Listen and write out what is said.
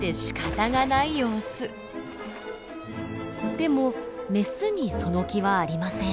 でもメスにその気はありません。